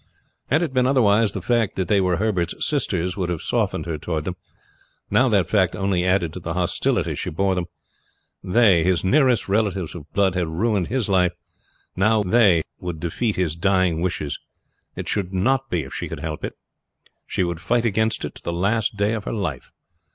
Had it been otherwise the fact that they were Herbert's sisters would have softened her toward them; now that fact only added to the hostility she bore them. They, his nearest relations of blood, had ruined his life; now they would defeat his dying wishes. It should not be if she could help it. She would fight against it to the last day of her life.